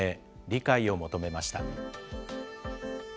理解を求めました。